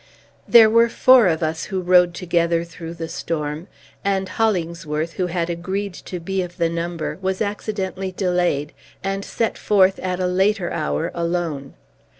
There were four of us who rode together through the storm; and Hollingsworth, who had agreed to be of the number, was accidentally delayed, and set forth at a later hour alone.